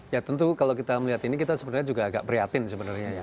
ya tentu kalau kita melihat ini kita sebenarnya juga agak prihatin sebenarnya ya